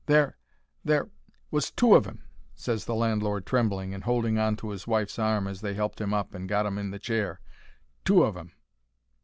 "There—there—was two of 'im!" ses the landlord, trembling and holding on to 'is wife's arm, as they helped 'im up and got 'im in the chair. "Two of 'im!"